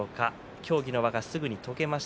協議の輪がすぐに解けました。